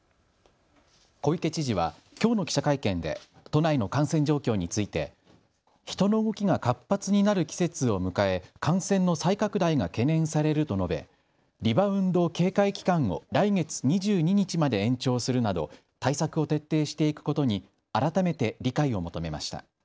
小池知事は、きょうの記者会見で都内の感染状況について人の動きが活発になる季節を迎え感染の再拡大が懸念されると述べリバウンド警戒期間を来月２２日まで延長するなど対策を徹底していくことに改めて理解を求めました。